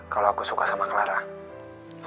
kalau aku suka sama clara